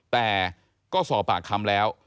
แต่ก็สอบปากคำแล้ว